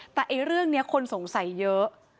แต่เรื่องนี้คนสงสัยเยอะ